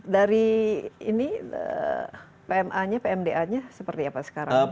dari ini pma nya pmda nya seperti apa sekarang